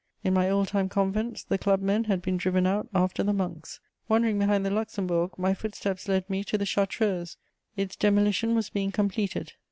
In my old time convents, the club men had been driven out after the monks. Wandering behind the Luxembourg, my footsteps led me to the Chartreuse: its demolition was being completed.